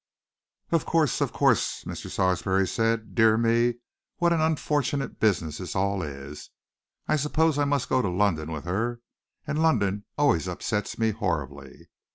"Of course! Of course!" Mr. Sarsby said. "Dear me, what an unfortunate business this all is! I suppose I must go to London with her, and London always upsets me horribly."